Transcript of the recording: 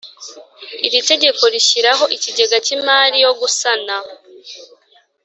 Iri tegeko rishyiraho Ikigega cy Imari yo Gusana